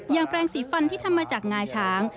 แปลงสีฟันที่ทำมาจากงาช้าง